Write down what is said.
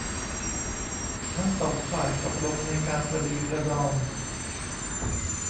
ทั้งสองฝ่ายตกลงในการประนีประนอม